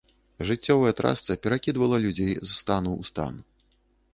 Жыццёвая трасца перакідвала людзей з стану ў стан.